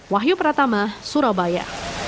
wahyu pratama surabaya